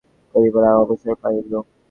সেজন্য শিষ্য স্বামীজীর পদসেবা করিবার অবসর পাইল।